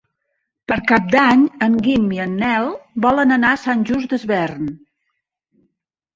Per Cap d'Any en Guim i en Nel volen anar a Sant Just Desvern.